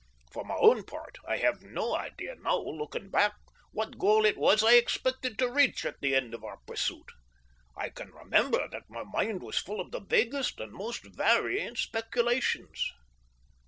For my own part, I have no idea now, looking back, what goal it was which I expected to reach at the end of our pursuit. I can remember that my mind was full of the vaguest and most varying speculations.